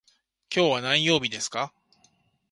今日は何曜日ですか。